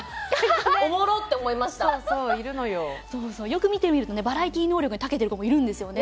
よく見てみるとねバラエティー能力にたけてる子もいるんですよね。